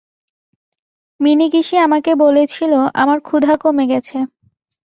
মিনিগিশি আমাকে বলেছিল আমার ক্ষুধা কমে গেছে।